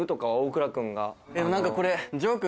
何かこれ。